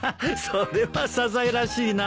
それはサザエらしいな。